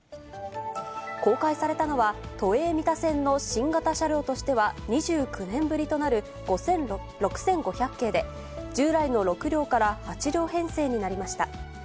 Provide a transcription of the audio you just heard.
公開されたのは、都営三田線の新型車両としては２９年ぶりとなる、６５００形で、従来の６両から８両編成になりました。